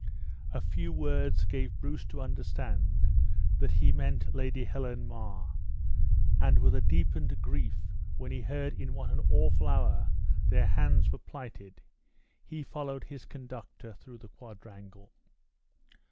A few words gave Bruce to understand that he meant Lady Helen Mar; and with a deepened grief when he heard in what an awful hour their hands were plighted, he followed his conductor through the quadrangle.